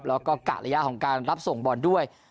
แล้วก็กะระยะของการรับส่งบอลด้วย